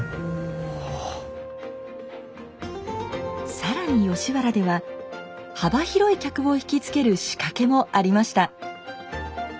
更に吉原では幅広い客を引き付ける仕掛けもありました。